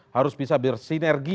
harus bisa bersinergi